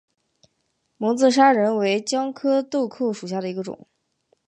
蒙自砂仁为姜科豆蔻属下的一个种。